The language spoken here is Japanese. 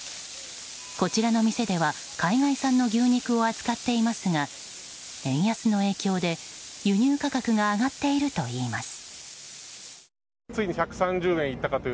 こちらの店では海外産の牛肉を扱っていますが円安の影響で輸入価格が上がっているといいます。